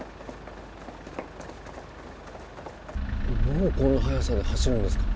もうこんな速さで走るんですか？